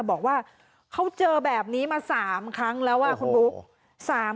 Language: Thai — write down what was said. บอกว่าเขาเจอแบบนี้มา๓ครั้งแล้วคุณบุ๊ค